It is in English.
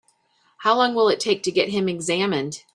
How long will it take to get him examined?